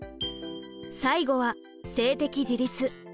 最後は性的自立。